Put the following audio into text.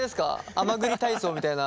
甘栗体操みたいな。